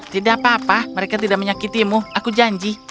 tidak apa apa mereka tidak menyakitimu aku janji